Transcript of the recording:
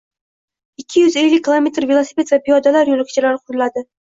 ikki yuz ellik kilometr velosiped va piyodalar yo‘lakchalari quriladi.